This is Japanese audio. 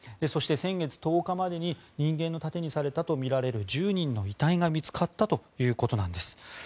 そして、先月１０日までに人間の盾にされたとみられる１０人の遺体が見つかったということなんです。